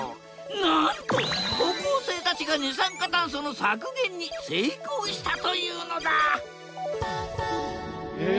なんと高校生たちが二酸化炭素の削減に成功したというのだえ。